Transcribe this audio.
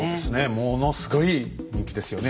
ものすごい人気ですよね。